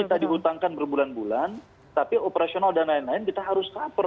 kita dihutangkan berbulan bulan tapi operasional dan lain lain kita harus cover